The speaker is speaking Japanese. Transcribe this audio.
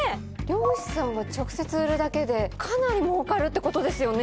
漁師さんが直接売るだけでかなり儲かるってことですよね！